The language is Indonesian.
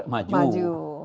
dan dengan negara maju itu